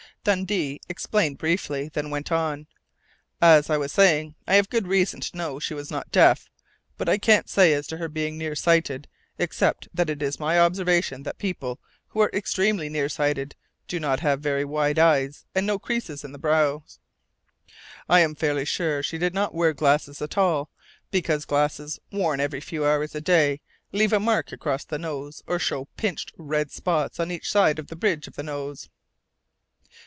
Dundee explained briefly, then went on: "As I was saying I have good reason to know she was not deaf, but I can't say as to her being nearsighted, except that it is my observation that people who are extremely nearsighted do not have very wide eyes and no creases between the brows. I am fairly sure she did not wear glasses at all, because glasses worn even a few hours a day leave a mark across the nose or show pinched red spots on each side of the bridge of the nose."